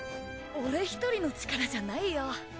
俺１人の力じゃないよ。